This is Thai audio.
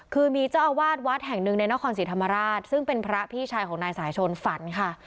คือมีเจ้าอาวาสวัดแห่งหนึ่งในนครศรีธรรมราชซึ่งเป็นพระพี่ชายของนายสายชนฝันค่ะ